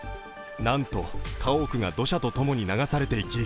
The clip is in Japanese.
なんと家屋が土砂とともに流されていき